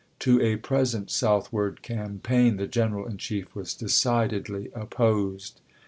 To a present southward campaign, the General in Chief was decidedly opposed.